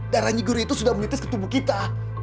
darah nyai guru itu sudah menitis ke tubuh kita